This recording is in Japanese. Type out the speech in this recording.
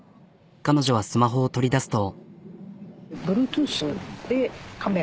彼女はスマホを取り出すと。